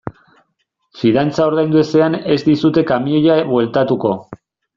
Fidantza ordaindu ezean ez dizute kamioia bueltatuko.